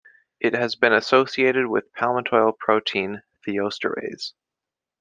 It has been associated with palmitoyl-protein thioesterase.